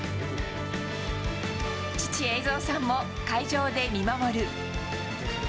父、栄造さんも会場で見守る。